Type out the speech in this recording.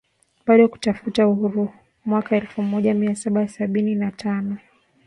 bado kutafuta uhuru Mwaka elfumoja miasaba sabini na tano